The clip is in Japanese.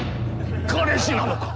彼氏なのか？